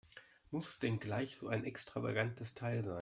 Muss es denn gleich so ein extravagantes Teil sein?